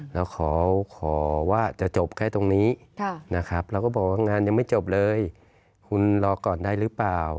เราขอว่าจะจบแค่ตรงนี้นะครับเราก็บอกว่างานยังไม่จบเลยคุณรอก่อนได้หรือเปล่า